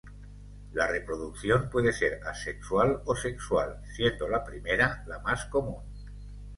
La reproducción puede ser asexual o sexual, siendo la primera la más común.